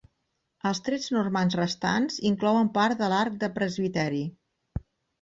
Els trets normands restants inclouen part de l'arc de presbiteri.